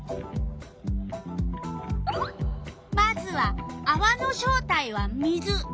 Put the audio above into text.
まずは「あわの正体は水」。